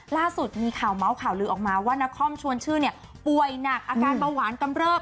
ล่าสุดมีข่าวเมาส์ข่าวลือออกมาว่านครชวนชื่นเนี่ยป่วยหนักอาการเบาหวานกำเริบ